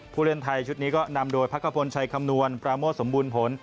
ผู้เล่นไทยชุดนี้ก็นำโดยพักกระพลชัยคำนวณปราโมทสมบูรณ์ผล